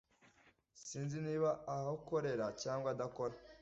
Sinzi niba ahakorera cyangwa adakora